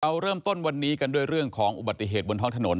เริ่มต้นวันนี้กันด้วยเรื่องของอุบัติเหตุบนท้องถนน